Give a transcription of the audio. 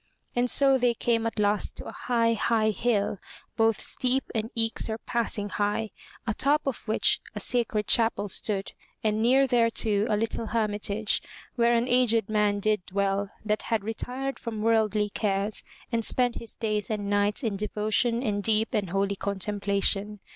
And so they came at last to a high, high hill, both steep and eke sur passing high, atop of which a sacred Chapel stood and near thereto a little hermitage, wherein an aged man did dwell that had retired from worldly cares and spent his days and nights in devotion and deep and holy contemplation.